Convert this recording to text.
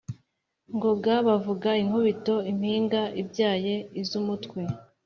Ngoga bavuga inkubito impinga ibyaye iz’umutwe,